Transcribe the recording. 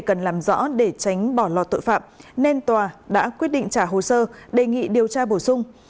cần làm rõ để tránh bỏ lọt tội phạm nên tòa đã quyết định trả hồ sơ đề nghị điều tra bổ sung